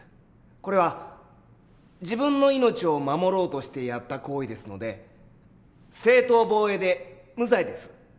これは自分の命を守ろうとしてやった行為ですので正当防衛で無罪です。